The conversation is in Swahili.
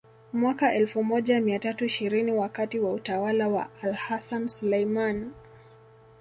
Mwaka elfu moja mia tatu ishirini wakati wa utawala wa AlHassan Sulaiman